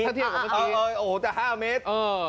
ถ้าเทียบกับเมื่อกี้เลยโอ้โหจะ๕เมตร